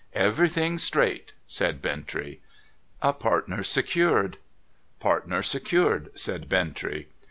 ' Everything straight,' said Bintrey. ' A partner secured '' Partner secured,' said Bintrey.